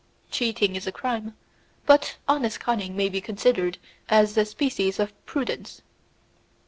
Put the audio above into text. Cheating is a crime, but honest cunning may be considered as a species of prudence.